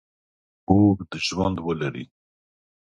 اوږد ژوند ولري.